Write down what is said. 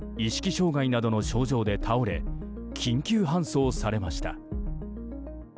障害などの症状で倒れ緊急搬送されました。